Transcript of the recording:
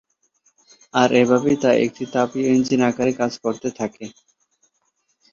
আর এভাবেই তা একটি তাপীয় ইঞ্জিন আকারে কাজ করতে থাকে।